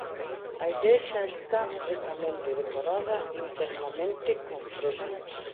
A igrexa está ricamente decorada internamente con frescos.